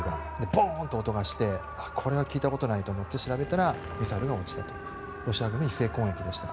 ボーンという音がしてこれは聞いたことがないと思って調べたらロシア軍に一斉攻撃でした。